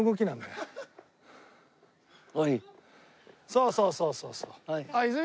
そうそうそうそうそう。